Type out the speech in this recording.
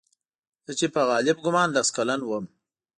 زه چې په غالب ګومان لس کلن وم.